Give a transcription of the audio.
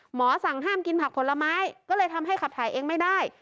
หมอสั่งห้ามกินผักผลไม้ก็เลยทำให้ขับถ่ายเองไม่ได้